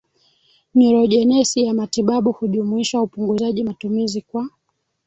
Nyurojenesi ya matibabu hujumuisha upunguzaji matumizi kwa